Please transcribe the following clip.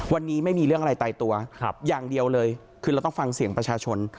วันนี้ไม่มีเรื่องอะไรตายตัวอย่างเดียวเลยคือเราต้องฟังเสียงประชาชน